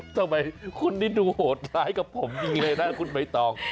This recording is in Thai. ทำไมคุณนี่ดูโหดร้ายกับผมจริงเลยนะคุณใบตอง